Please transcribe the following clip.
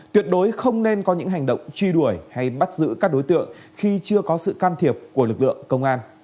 tuyệt đối không nên có những hành động truy đuổi hay bắt giữ các đối tượng khi chưa có sự can thiệp của lực lượng công an